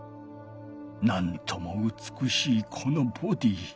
なんともうつくしいこのボディー。